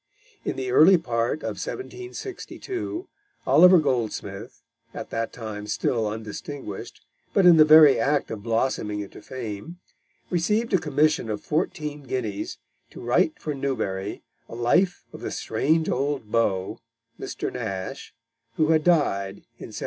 In the early part of 1762, Oliver Goldsmith, at that time still undistinguished, but in the very act of blossoming into fame, received a commission of fourteen guineas to write for Newbery a life of the strange old beau, Mr. Nash, who had died in 1761.